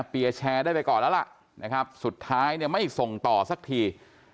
เยร์แชร์ได้ไปก่อนแล้วล่ะนะครับสุดท้ายเนี่ยไม่ส่งต่อสักที